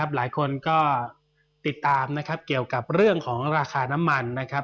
หลายคนก็ติดตามนะครับเกี่ยวกับเรื่องของราคาน้ำมันนะครับ